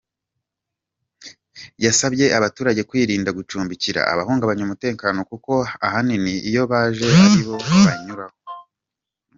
Yasabye abaturage kwirinda gucumbikira abahungabanya umutekano kuko ahanini iyo baje ari bo banyuraho.